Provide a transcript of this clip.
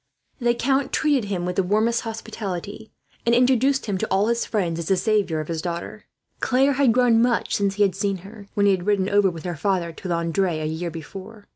The count treated him with the warmest hospitality, and introduced him to all his friends as the saviour of his daughter. Claire had grown much since he had seen her, when he had ridden over with her father to Landres, a year before.